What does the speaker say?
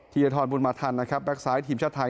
ธียธรบุญมาทันนะครับแบ็คไซด์ทีมชาติไทย